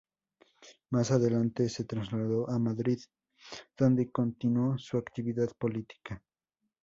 Más adelante se trasladó a Madrid, donde continuó su actividad política.